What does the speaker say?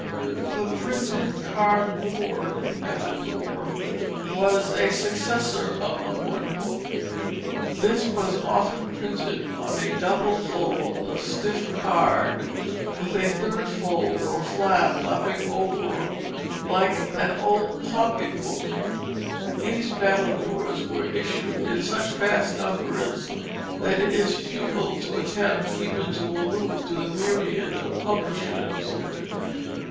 The printed cardboard battledore was a successor of the hornbook. This was often printed on a double fold of stiff card with a third fold or flap lapping over like an old pocket book. These battledores were issued in such vast numbers that it is futile to attempt even to allude to the myriad of publishers.